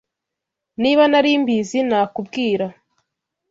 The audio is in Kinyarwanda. Niba nari mbizi, nakubwira.